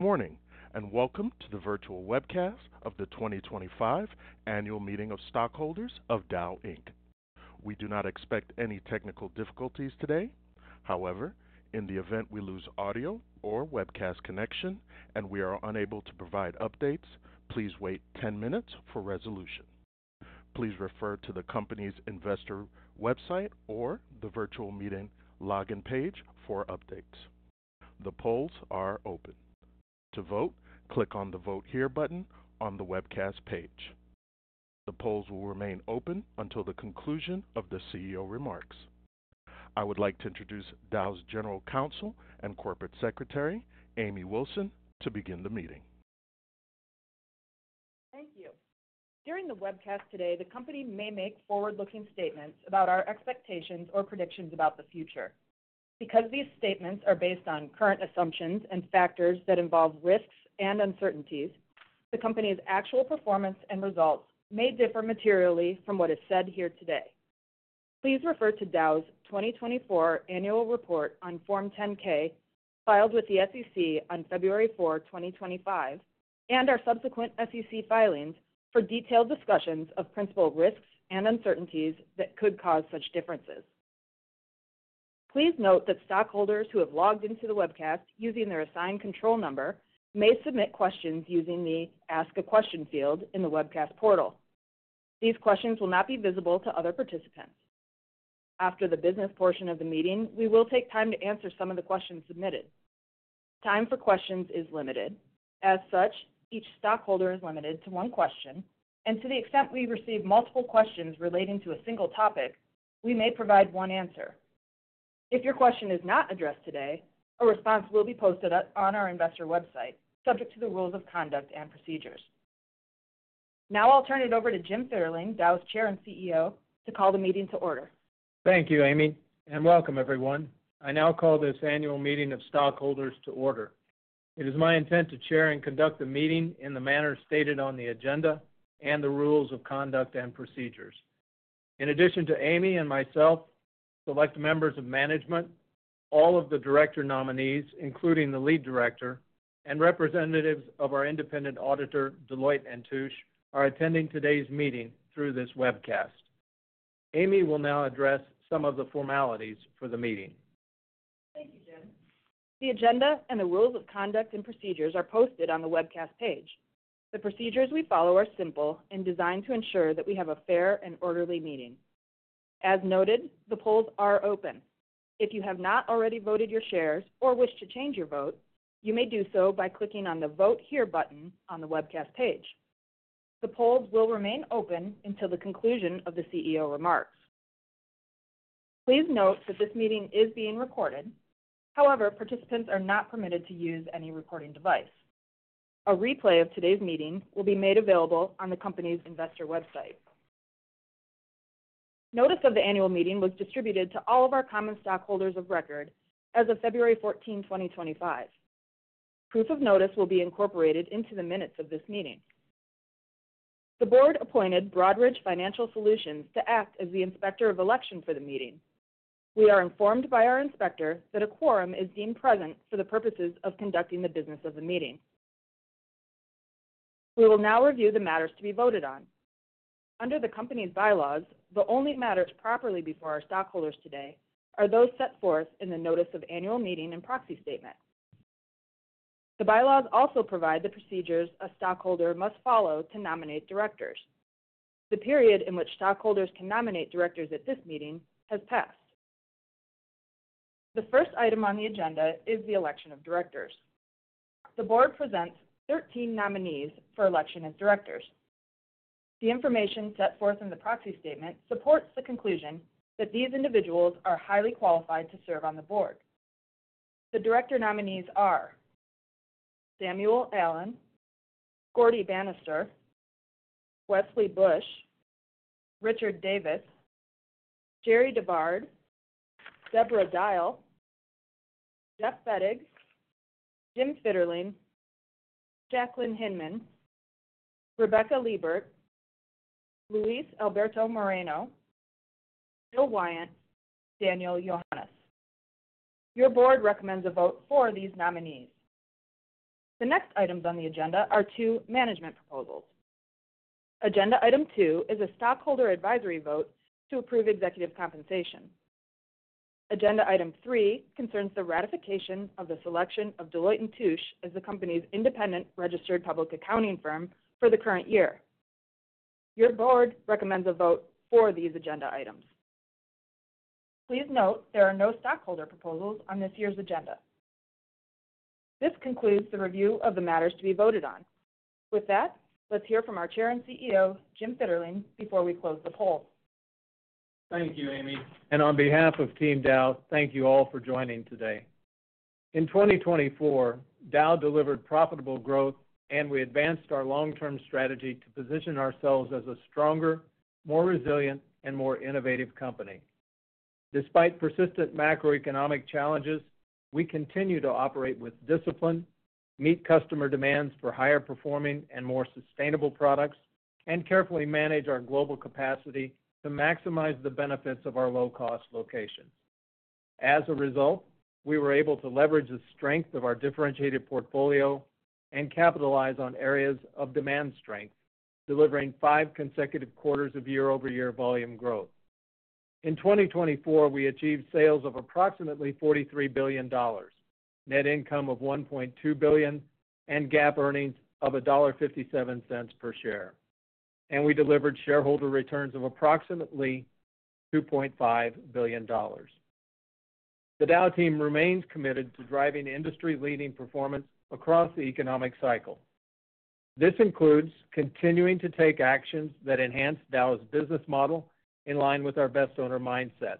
Morning, and welcome to the virtual webcast of the 2025 Annual Meeting of Stockholders of Dow Inc. We do not expect any technical difficulties today. However, in the event we lose audio or webcast connection and we are unable to provide updates, please wait 10 minutes for resolution. Please refer to the company's investor website or the virtual meeting login page for updates. The polls are open. To vote, click on the "Vote Here" button on the webcast page. The polls will remain open until the conclusion of the CEO remarks. I would like to introduce Dow's General Counsel and Corporate Secretary, Amy Wilson, to begin the meeting. Thank you. During the webcast today, the company may make forward-looking statements about our expectations or predictions about the future. Because these statements are based on current assumptions and factors that involve risks and uncertainties, the company's actual performance and results may differ materially from what is said here today. Please refer to Dow's 2024 Annual Report on Form 10-K filed with the SEC on February 4, 2025, and our subsequent SEC filings for detailed discussions of principal risks and uncertainties that could cause such differences. Please note that stockholders who have logged into the webcast using their assigned control number may submit questions using the "Ask a Question" field in the webcast portal. These questions will not be visible to other participants. After the business portion of the meeting, we will take time to answer some of the questions submitted. Time for questions is limited. As such, each stockholder is limited to one question, and to the extent we receive multiple questions relating to a single topic, we may provide one answer. If your question is not addressed today, a response will be posted on our investor website, subject to the rules of conduct and procedures. Now I'll turn it over to Jim Fitterling, Dow's Chair and CEO, to call the meeting to order. Thank you, Amy, and welcome, everyone. I now call this Annual Meeting of Stockholders to order. It is my intent to chair and conduct the meeting in the manner stated on the agenda and the rules of conduct and procedures. In addition to Amy and myself, select members of management, all of the director nominees, including the lead director, and representatives of our independent auditor, Deloitte & Touche, are attending today's meeting through this webcast. Amy will now address some of the formalities for the meeting. Thank you, Jim. The agenda and the rules of conduct and procedures are posted on the webcast page. The procedures we follow are simple and designed to ensure that we have a fair and orderly meeting. As noted, the polls are open. If you have not already voted your shares or wish to change your vote, you may do so by clicking on the "Vote Here" button on the webcast page. The polls will remain open until the conclusion of the CEO remarks. Please note that this meeting is being recorded. However, participants are not permitted to use any recording device. A replay of today's meeting will be made available on the company's investor website. Notice of the annual meeting was distributed to all of our common stockholders of record as of February 14, 2025. Proof of notice will be incorporated into the minutes of this meeting. The board appointed Broadridge Financial Solutions to act as the inspector of election for the meeting. We are informed by our inspector that a quorum is deemed present for the purposes of conducting the business of the meeting. We will now review the matters to be voted on. Under the company's bylaws, the only matters properly before our stockholders today are those set forth in the notice of annual meeting and proxy statement. The bylaws also provide the procedures a stockholder must follow to nominate directors. The period in which stockholders can nominate directors at this meeting has passed. The first item on the agenda is the election of directors. The board presents 13 nominees for election as directors. The information set forth in the proxy statement supports the conclusion that these individuals are highly qualified to serve on the board. The director nominees are Samuel Allen, Gaurdie Banister, Wesley Bush, Richard Davis, Jerri DeVard, Debra Dial, Jeff Fettig, Jim Fitterling, Jacqueline Hinman, Rebecca Liebert, Luis Alberto Moreno, Jill Wyant, and Daniel Yohannes. Your board recommends a vote for these nominees. The next items on the agenda are two management proposals. Agenda item two is a stockholder advisory vote to approve executive compensation. Agenda item three concerns the ratification of the selection of Deloitte & Touche as the company's independent registered public accounting firm for the current year. Your board recommends a vote for these agenda items. Please note there are no stockholder proposals on this year's agenda. This concludes the review of the matters to be voted on. With that, let's hear from our Chair and CEO, Jim Fitterling, before we close the polls. Thank you, Amy. On behalf of Team Dow, thank you all for joining today. In 2024, Dow delivered profitable growth, and we advanced our long-term strategy to position ourselves as a stronger, more resilient, and more innovative company. Despite persistent macroeconomic challenges, we continue to operate with discipline, meet customer demands for higher-performing and more sustainable products, and carefully manage our global capacity to maximize the benefits of our low-cost locations. As a result, we were able to leverage the strength of our differentiated portfolio and capitalize on areas of demand strength, delivering five consecutive quarters of year-over-year volume growth. In 2024, we achieved sales of approximately $43 billion, net income of $1.2 billion, and GAAP earnings of $1.57 per share. We delivered shareholder returns of approximately $2.5 billion. The Dow team remains committed to driving industry-leading performance across the economic cycle. This includes continuing to take actions that enhance Dow's business model in line with our best owner mindset.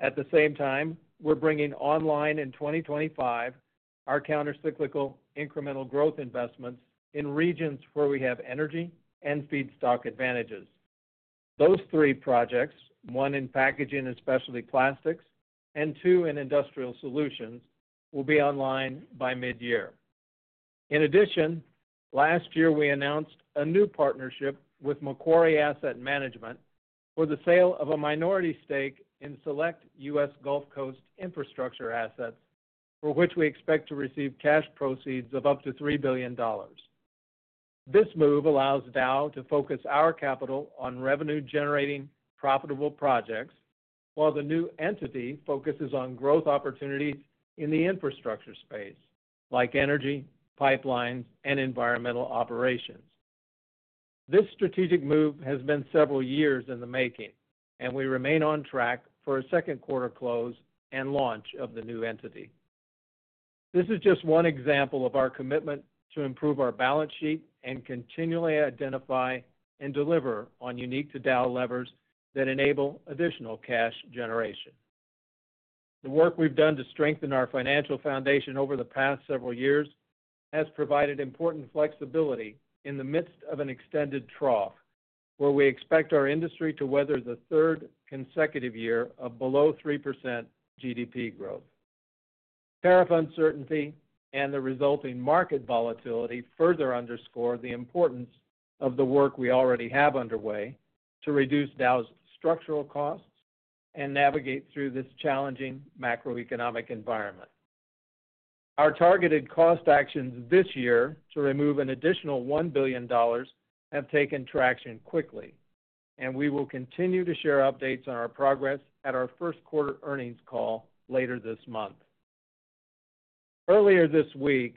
At the same time, we're bringing online in 2025 our countercyclical incremental growth investments in regions where we have energy and feedstock advantages. Those three projects, one in packaging and specialty plastics, and two in industrial solutions, will be online by mid-year. In addition, last year we announced a new partnership with Macquarie Asset Management for the sale of a minority stake in select U.S. Gulf Coast infrastructure assets, for which we expect to receive cash proceeds of up to $3 billion. This move allows Dow to focus our capital on revenue-generating profitable projects, while the new entity focuses on growth opportunities in the infrastructure space, like energy, pipelines, and environmental operations. This strategic move has been several years in the making, and we remain on track for a second quarter close and launch of the new entity. This is just one example of our commitment to improve our balance sheet and continually identify and deliver on unique-to-Dow levers that enable additional cash generation. The work we have done to strengthen our financial foundation over the past several years has provided important flexibility in the midst of an extended trough, where we expect our industry to weather the third consecutive year of below 3% GDP growth. Tariff uncertainty and the resulting market volatility further underscore the importance of the work we already have underway to reduce Dow's structural costs and navigate through this challenging macroeconomic environment. Our targeted cost actions this year to remove an additional $1 billion have taken traction quickly, and we will continue to share updates on our progress at our first quarter earnings call later this month. Earlier this week,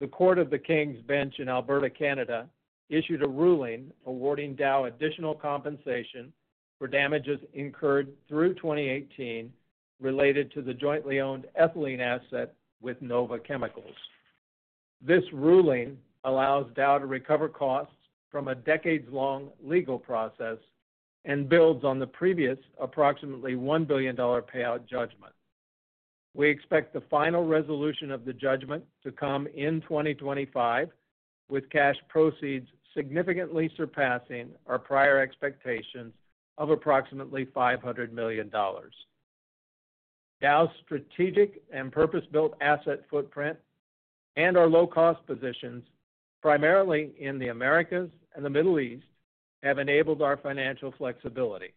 the Court of King's Bench in Alberta, Canada, issued a ruling awarding Dow additional compensation for damages incurred through 2018 related to the jointly owned ethylene asset with Nova Chemicals. This ruling allows Dow to recover costs from a decades-long legal process and builds on the previous approximately $1 billion payout judgment. We expect the final resolution of the judgment to come in 2025, with cash proceeds significantly surpassing our prior expectations of approximately $500 million. Dow's strategic and purpose-built asset footprint and our low-cost positions, primarily in the Americas and the Middle East, have enabled our financial flexibility.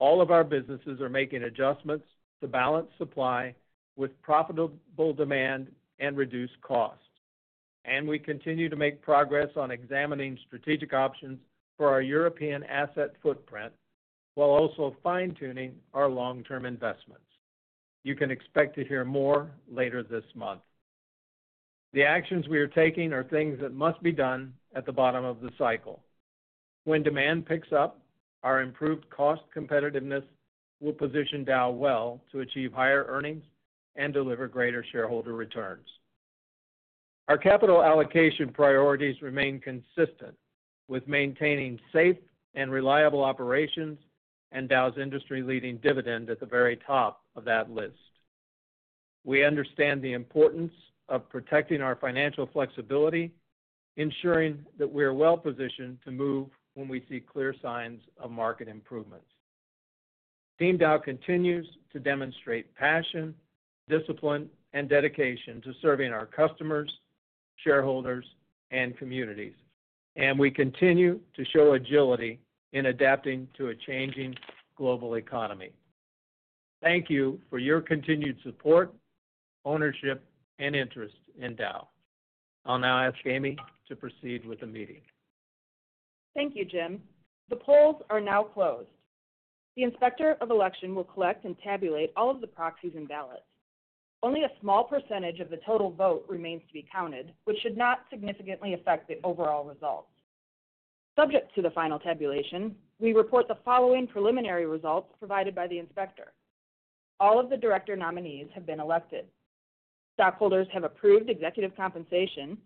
All of our businesses are making adjustments to balance supply with profitable demand and reduced costs, and we continue to make progress on examining strategic options for our European asset footprint while also fine-tuning our long-term investments. You can expect to hear more later this month. The actions we are taking are things that must be done at the bottom of the cycle. When demand picks up, our improved cost competitiveness will position Dow well to achieve higher earnings and deliver greater shareholder returns. Our capital allocation priorities remain consistent, with maintaining safe and reliable operations and Dow's industry-leading dividend at the very top of that list. We understand the importance of protecting our financial flexibility, ensuring that we are well-positioned to move when we see clear signs of market improvements. Team Dow continues to demonstrate passion, discipline, and dedication to serving our customers, shareholders, and communities, and we continue to show agility in adapting to a changing global economy. Thank you for your continued support, ownership, and interest in Dow. I'll now ask Amy to proceed with the meeting. Thank you, Jim. The polls are now closed. The inspector of election will collect and tabulate all of the proxies and ballots. Only a small percentage of the total vote remains to be counted, which should not significantly affect the overall results. Subject to the final tabulation, we report the following preliminary results provided by the inspector. All of the director nominees have been elected. Stockholders have approved executive compensation,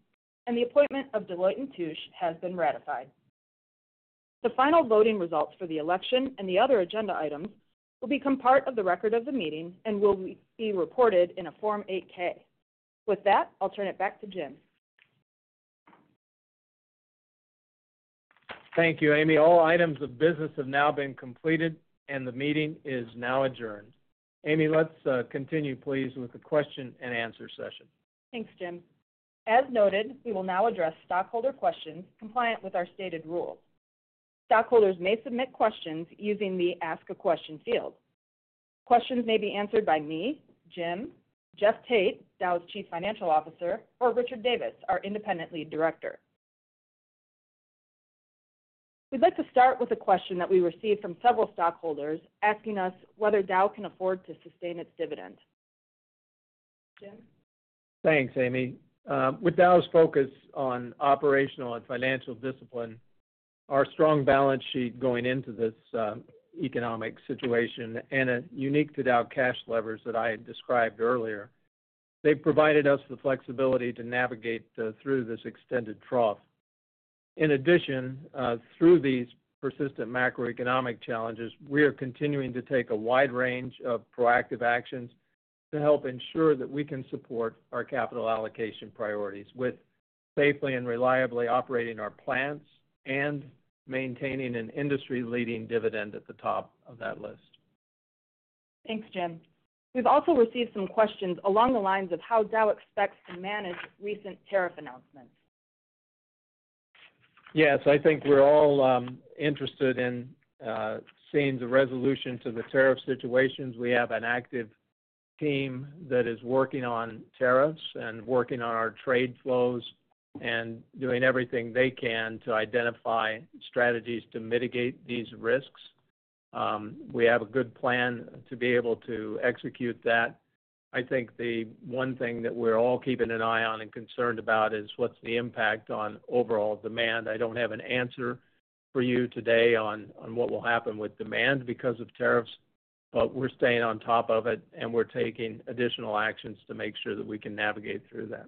and the appointment of Deloitte & Touche has been ratified. The final voting results for the election and the other agenda items will become part of the record of the meeting and will be reported in a Form 8-K. With that, I'll turn it back to Jim. Thank you, Amy. All items of business have now been completed, and the meeting is now adjourned. Amy, let's continue, please, with the question and answer session. Thanks, Jim. As noted, we will now address stockholder questions compliant with our stated rules. Stockholders may submit questions using the Ask a Question field. Questions may be answered by me, Jim, Jeff Tate, Dow's Chief Financial Officer, or Richard Davis, our independent lead director. We'd like to start with a question that we received from several stockholders asking us whether Dow can afford to sustain its dividend. Jim? Thanks, Amy. With Dow's focus on operational and financial discipline, our strong balance sheet going into this economic situation and a unique-to-Dow cash leverage that I described earlier, they have provided us the flexibility to navigate through this extended trough. In addition, through these persistent macroeconomic challenges, we are continuing to take a wide range of proactive actions to help ensure that we can support our capital allocation priorities with safely and reliably operating our plants and maintaining an industry-leading dividend at the top of that list. Thanks, Jim. We've also received some questions along the lines of how Dow expects to manage recent tariff announcements. Yes, I think we're all interested in seeing the resolution to the tariff situations. We have an active team that is working on tariffs and working on our trade flows and doing everything they can to identify strategies to mitigate these risks. We have a good plan to be able to execute that. I think the one thing that we're all keeping an eye on and concerned about is what's the impact on overall demand. I don't have an answer for you today on what will happen with demand because of tariffs, but we're staying on top of it, and we're taking additional actions to make sure that we can navigate through that.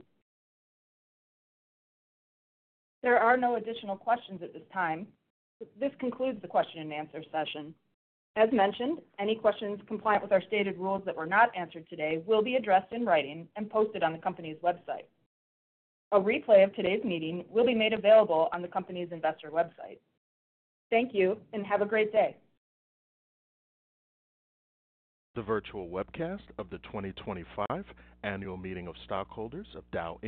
There are no additional questions at this time. This concludes the question and answer session. As mentioned, any questions compliant with our stated rules that were not answered today will be addressed in writing and posted on the company's website. A replay of today's meeting will be made available on the company's investor website. Thank you and have a great day. The virtual webcast of the 2025 Annual Meeting of Stockholders of Dow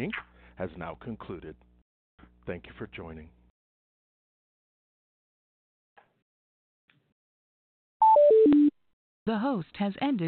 has now concluded. Thank you for joining. [Automated voice] The host has ended.